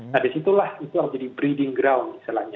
nah disitulah itu harus jadi breeding ground istilahnya